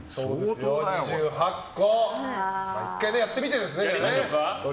２８個、１回やってみてですね。